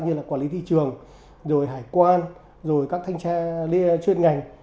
như là quản lý thị trường rồi hải quan rồi các thanh tra chuyên ngành